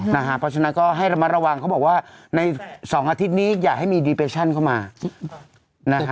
นะฮะเพราะฉะนั้นก็ให้มาระวังเขาบอกว่าในสองอาทิตย์นี้อย่าให้มีเข้ามานะฮะ